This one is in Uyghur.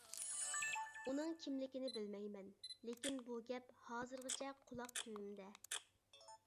ئۇنىڭ كىملىكىنى بىلمەيمەن، لېكىن بۇ گەپ ھازىرغىچە قۇلاق تۈۋىمدە.